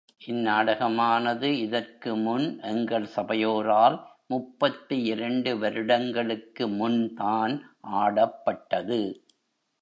இந்நாடகமானது இதற்கு முன் எங்கள் சபையோரால் முப்பத்திரண்டு வருடங்களுக்கு முன்தான் ஆடப்பட்டது.